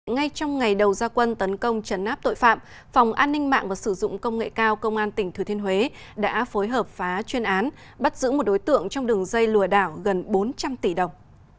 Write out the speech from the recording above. ngay trong ngày đầu gia quân tấn công trấn áp tội phạm phòng an ninh mạng và sử dụng công nghệ cao công an tỉnh thừa thiên huế đã phối hợp phá chuyên án bắt giữ một đối tượng trong đường dây lùa đảo gần bốn trăm linh tỷ đồng